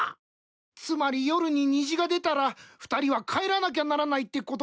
つまり夜に虹が出たら２人は帰らなきゃならないってことか？